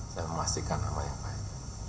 saya memastikan sama yang baik